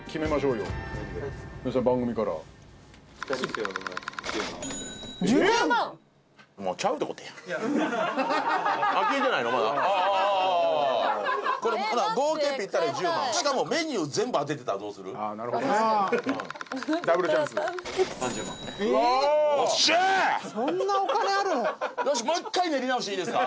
よしもう一回練り直していいですか？